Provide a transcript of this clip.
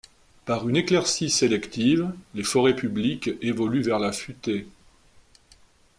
Par une éclaircie sélective, les forêts publiques évoluent vers la futaie.